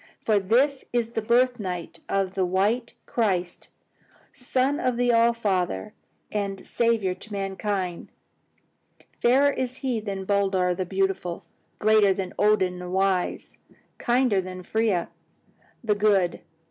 For this is the birth night of the white Christ, son of the All Father, and Saviour of mankind. Fairer is He than Baldur the Beautiful, greater than Odin the Wise, kinder than Freya the Good.